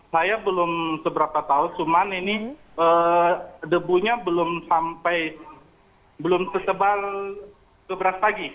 saya belum seberapa tahun cuman ini debunya belum sampai belum sebal ke brastagi